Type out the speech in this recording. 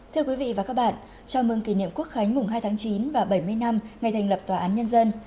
thưa quý vị và các bạn chào mừng kỷ niệm quốc khánh mùng hai tháng chín và bảy mươi năm ngày thành lập tòa án nhân dân